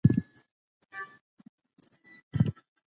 د بازار بدلون ته مې د یوې نوې ننګونې په سترګه وکتل.